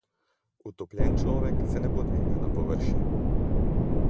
Utopljen človek se ne bo dvignil na površje.